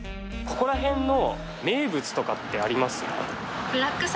ここら辺の名物とかってあります？